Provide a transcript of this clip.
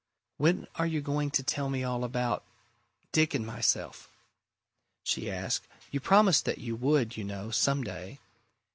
"When are you going to tell me all about Dick and myself?" she asked. "You promised that you would, you know, some day.